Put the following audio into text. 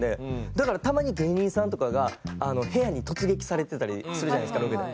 だからたまに芸人さんとかが部屋に突撃されてたりするじゃないですかロケで。